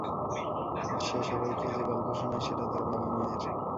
সে সবাইকে যে গল্প শোনায় সেটা তার বাবা-মায়ের।